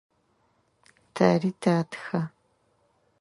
Тэри тэтхэ.